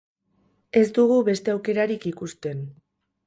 Ez dugu beste aukerarik ikusten.